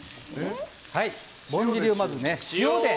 ぼんじりを、まず塩で。